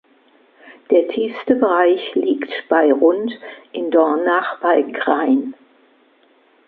Der tiefste Bereich liegt bei rund in Dornach bei Grein.